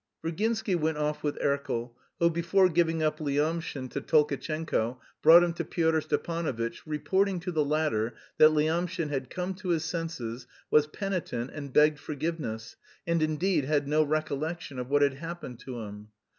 Virginsky went off with Erkel, who before giving up Lyamshin to Tolkatchenko brought him to Pyotr Stepanovitch, reporting to the latter that Lyamshin had come to his senses, was penitent and begged forgiveness, and indeed had no recollection of what had happened to him.